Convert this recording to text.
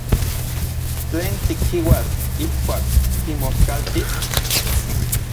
¿Tlen tikchiuas ijkuak timoskaltis?